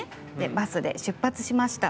バスで出発しました。